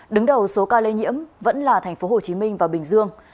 đứng đầu số ca lây nhiễm vẫn là tp hcm và bình dương